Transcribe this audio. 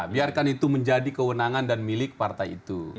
biarkan itu menjadi kewenangan dan milik partai itu